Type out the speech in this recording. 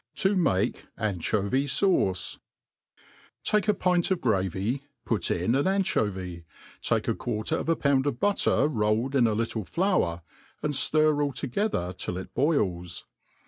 To make Antbovy'Sau^Sn TAKE a pint of gravy, put in an anchotry, take a quarter of a pound of buttei; rolled in a little flour, and ftir all together till it boils.